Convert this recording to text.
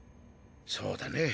そうだね。